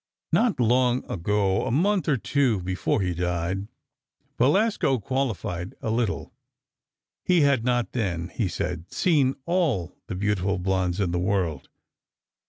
Not long ago—a month or two before he died—Belasco qualified—a little: He had not then, he said, seen all the beautiful blondes in the world.